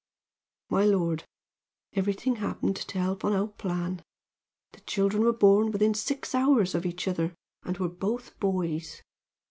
"My lord, everything happened to help on our plan. The children were born within six hours of each other and were both boys.